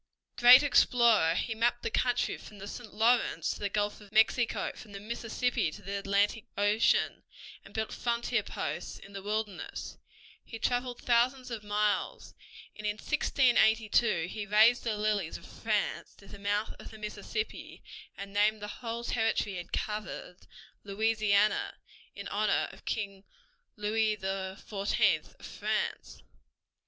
Great explorer, he mapped the country from the St. Lawrence to the Gulf of Mexico, from the Mississippi to the Atlantic Ocean, and built frontier posts in the wilderness. He traveled thousands of miles, and in 1682 he raised the lilies of France near the mouth of the Mississippi and named the whole territory he had covered Louisiana, in honor of King Louis XIV of France.